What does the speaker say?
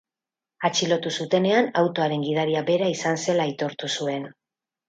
Atxilotu zutenean autoaren gidaria bera izan zela aitortu zuen.